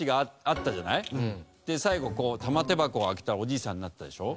で最後こう玉手箱を開けたらおじいさんになったでしょ。